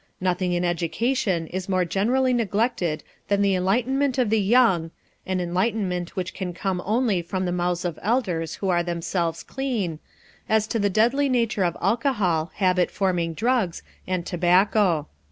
Nothing in education is more generally neglected than the enlightenment of the young an enlightenment which can come only from the mouths of elders who are themselves clean as to the deadly nature of alcohol, habit forming drugs, and tobacco.